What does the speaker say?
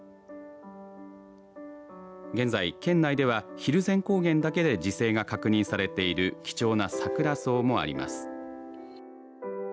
現在県内では蒜山高原だけで自生が確認されている貴重なサクラソウもあります。